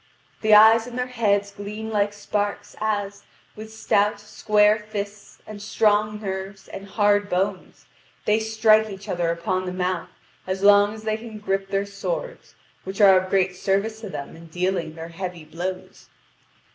The eyes in their heads gleam like sparks, as, with stout square fists, and strong nerves, and hard bones, they strike each other upon the mouth as long as they can grip their swords, which are of great service to them in dealing their heavy blows.